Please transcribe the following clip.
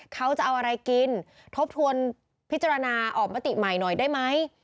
เขาจะเอาอะไรกินทบทวนพิจารณาออกมาติใหม่หน่อยได้ไหม